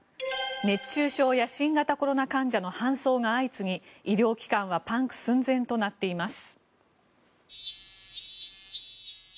熱中症や新型コロナ患者の搬送が相次ぎ医療機関はパンク寸前となっています。